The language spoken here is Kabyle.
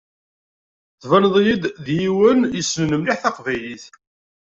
Tbaneḍ-iyi-d d yiwen yessnen mliḥ taqbaylit.